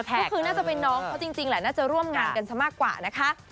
ก็คือน่าจะเป็นน้องเขาจริงแหละน่าจะร่วมงานกันซะมากกว่านะคะ